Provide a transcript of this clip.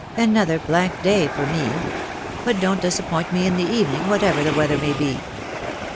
"Another blank day for me. But don't disappoint me in the evening, whatever the weather may be."